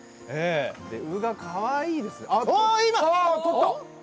鵜がかわいいです。